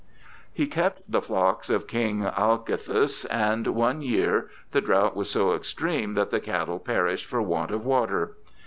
He kept the flocks of King Alcithous, and one year the drought was so extreme that the cattle perished for want of water.